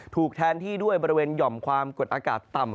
ถูกแทนที่ด้วยบริเวณหย่อมความกดอากาศต่ำ